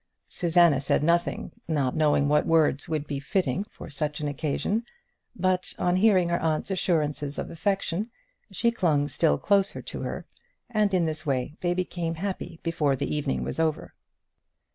Susanna said nothing, not knowing what words would be fitting for such an occasion, but on hearing her aunt's assurance of affection, she clung still closer to her, and in this way they became happy before the evening was over.